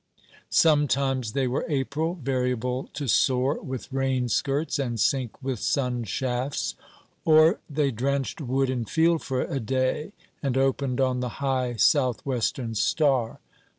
Sometimes they were April, variable to soar with rain skirts and sink with sunshafts. Or they drenched wood and field for a day and opened on the high South western star.